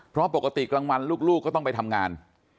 เพราะปกติกลางวันลูกก็ต้องไปทำงาน